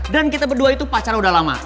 dan kita berdua itu pacaran udah lama